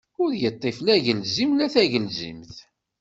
Ur iṭṭif la agelzim, la tagelzimt.